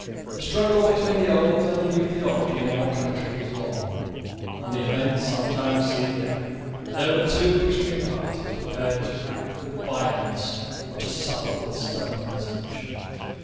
The struggle between the old and the new theology in our country was long, and the event sometimes seemed doubtful. There were two extreme parties, prepared to act with violence or to suffer with stubborn resolution.